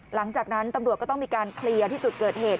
หลังจากนั้นตำรวจก็ต้องมีการเคลียร์ที่จุดเกิดเหตุ